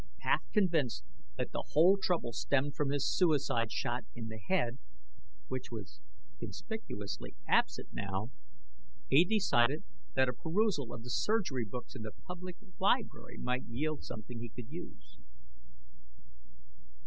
Half convinced that the whole trouble stemmed from his suicide shot in the head which was conspicuously absent now he decided that a perusal of the surgery books in the public library might yield something he could use.